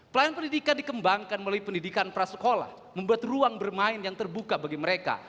pelayanan pendidikan dikembangkan melalui pendidikan prasekolah membuat ruang bermain yang terbuka bagi mereka